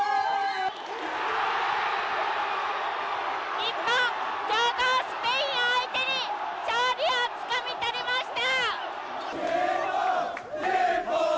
日本、強豪スペイン相手に勝利をつかみ取りました！